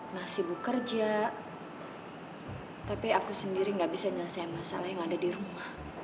mas sibuk kerja tapi aku sendiri gak bisa nyelesai masalah yang ada di rumah